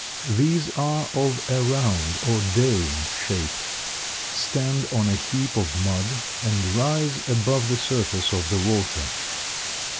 These are of a round or dome shape, stand on a heap of mud, and rise above the surface of the water.